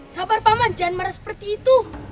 sabar banget jangan marah seperti itu